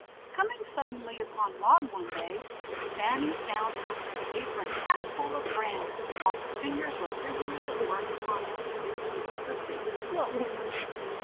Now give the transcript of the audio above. Coming suddenly upon Maud one day, Fanny found her with her apron half full of bran, while her fingers were busily at work upon a few pieces of faded silk.